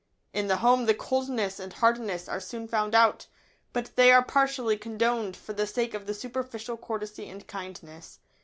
In the home the coldness and hardness are soon found out, but they are partially condoned for the sake of the superficial courtesy and kindness.